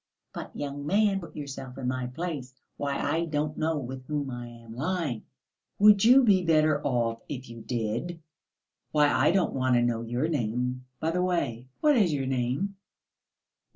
"But, young man, put yourself in my place. Why, I don't know with whom I am lying." "Would you be any better off if you did? Why, I don't want to know your name. By the way, what is your name?"